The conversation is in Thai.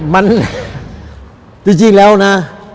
มันจริงแล้วนะ